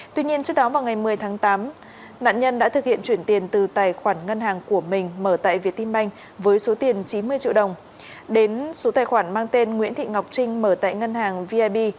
tuy nhiên trước đó vào ngày một mươi tháng tám nạn nhân đã thực hiện chuyển tiền từ tài khoản ngân hàng của mình mở tại việt tim banh với số tiền chín mươi triệu đồng đến số tài khoản mang tên nguyễn thị ngọc trinh mở tại ngân hàng vib